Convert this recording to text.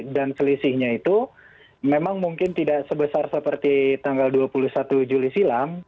dan selisihnya itu memang mungkin tidak sebesar seperti tanggal dua puluh satu juli silam